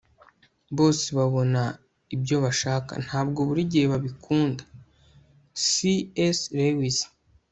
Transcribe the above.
bose babona ibyo bashaka; ntabwo buri gihe babikunda - c s lewis